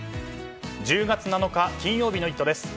１０月７日、金曜日の「イット！」です。